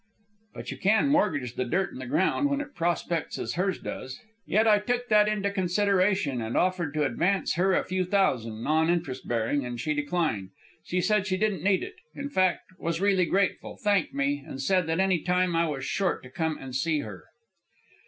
"But you can mortgage the dirt in the ground when it prospects as hers does. Yet I took that into consideration, and offered to advance her a few thousand, non interest bearing, and she declined. Said she didn't need it, in fact, was really grateful; thanked me, and said that any time I was short to come and see her."